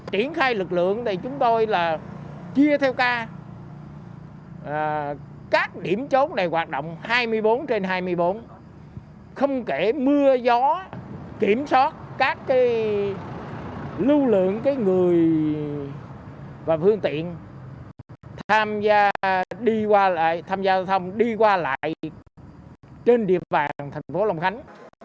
đi qua lại tham gia giao thông đi qua lại trên địa bàn thành phố long khánh